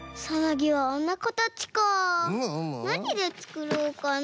なにでつくろうかな？